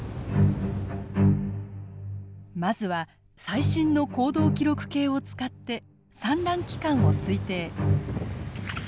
まずは最新の行動記録計を使って産卵期間を推定。